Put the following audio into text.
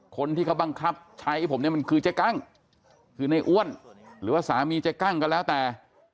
คนที่เขาบังคับใช้ให้ผมเนี่ยมันคือเจ๊กั้งคือในอ้วนหรือว่าสามีเจ๊กั้งก็แล้วแต่